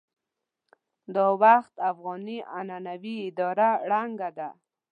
دا وخت افغاني عنعنوي اداره ړنګه ده.